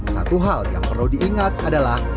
satu hal yang perlu diingat adalah